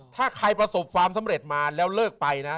ถ้าใครประสบความสำเร็จมาแล้วเลิกไปนะ